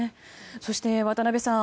そして渡辺さん